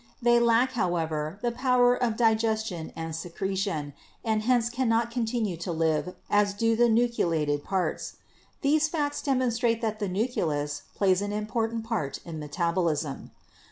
They lack, however, the power of digestion and secretion and hence cannot continue to live as do the nucleated parts. These facts demonstrate that the nucleus plays an important part in metabolism.